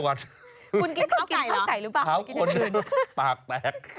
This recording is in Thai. ท้าวขนปากแตก